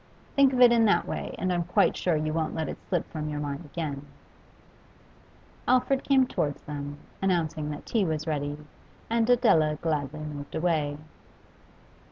Think of it in that way, and I'm quite sure you won't let it slip from your mind again.' Alfred came towards them, announcing that tea was ready, and Adela gladly moved away.